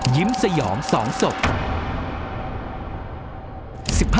ยิ้มสยองสองศก